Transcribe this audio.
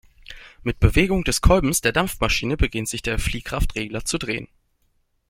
Mit Bewegung des Kolbens der Dampfmaschine beginnt sich der Fliehkraftregler zu drehen.